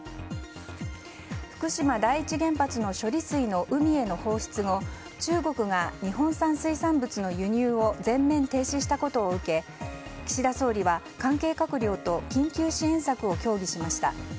福島第一原発の処理水の海への放出後中国が日本産水産物の輸入を全面停止したことを受け岸田総理は関係閣僚と緊急支援策を協議しました。